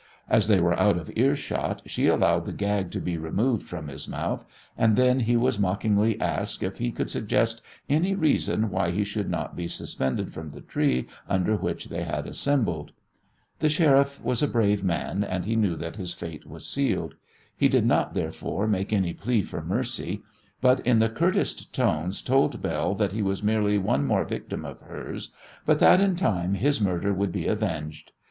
As they were out of earshot she allowed the gag to be removed from his mouth, and then he was mockingly asked if he could suggest any reason why he should not be suspended from the tree under which they had assembled. The Sheriff was a brave man, and he knew that his fate was sealed. He did not, therefore, make any plea for mercy, but in the curtest tones told Belle that he was merely one more victim of hers, but that in time his murder would be avenged.